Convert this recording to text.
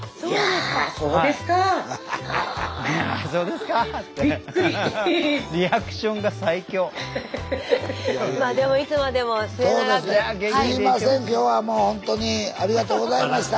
すいません今日はもうほんとにありがとうございました。